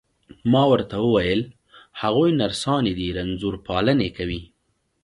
ما ورته وویل: هغوی نرسانې دي، رنځور پالني کوي.